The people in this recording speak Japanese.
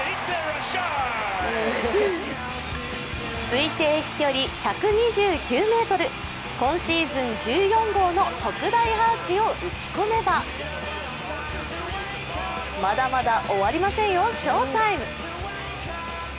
推定飛距離１２９ｍ、今シーズン１４号の特大アーチを打ち込めばまだまだ終わりませんよ、翔タイム。